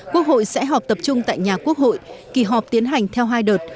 quốc hội sẽ họp tập trung tại nhà quốc hội kỳ họp tiến hành theo hai đợt